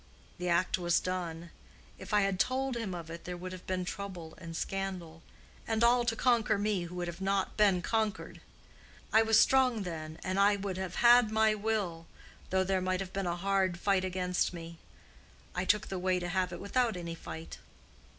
The act was done. If I had told him of it there would have been trouble and scandal—and all to conquer me, who would not have been conquered. I was strong then, and I would have had my will, though there might have been a hard fight against me. I took the way to have it without any fight.